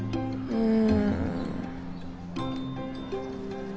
うん。